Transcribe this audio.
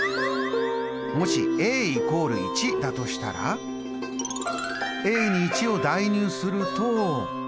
もし＝１だとしたら？に１を代入すると。